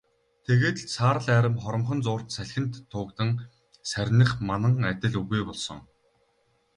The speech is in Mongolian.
Тэгээд л саарал арми хоромхон зуурт салхинд туугдан сарних манан адил үгүй болсон.